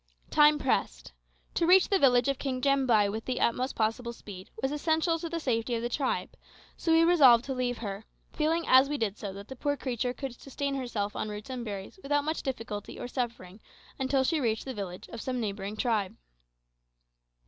Time pressed. To reach the village of King Jambai with the utmost possible speed was essential to the safety of the tribe, so we resolved to leave her, feeling as we did so that the poor creature could sustain herself on roots and berries without much difficulty or suffering until she reached the village of some neighbouring tribe.